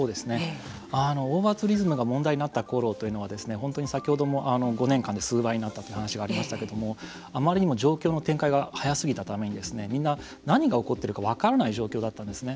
オーバーツーリズムが問題になったころというのは先ほども５年間で数倍になったという話がありましたけれどもあまりにも状況の展開が早すぎたためにみんな、何が起こっているか分からない状況だったんですね。